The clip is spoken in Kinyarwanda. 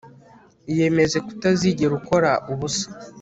iyemeze kutazigera ukora ubusa